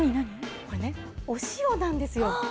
これね、お塩なんですよ。